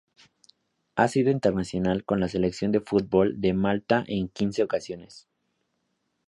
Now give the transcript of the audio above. Ha sido internacional con la Selección de fútbol de Malta en quince ocasiones.